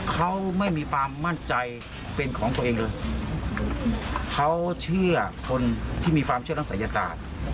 เขาไม่มีความมั่นใจเป็นของตัวเองเลยเขาเชื่อคนที่มีความเชื่อทางศัยศาสตร์